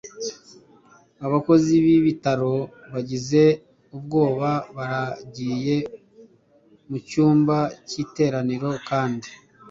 abakozi b'ibitaro bagize ubwoba. baragiye mu cyumba cy'iteraniro kandi